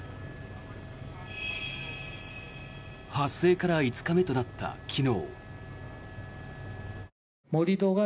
発生から５日目となった昨日。